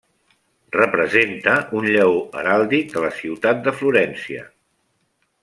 Representa un lleó heràldic de la ciutat de Florència.